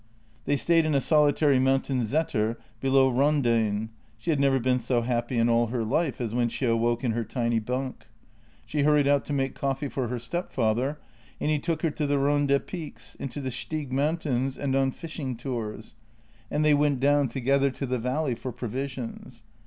They stayed in a solitary mountain saeter below Rondane. She had never been so happy in all her life as when she awoke in her tiny bunk. She hurried out to make coffee for her step father, and he took her to the Ronde peaks, into the Styg moun tains, and on fishing tours; and they went down together to the valley for provisions.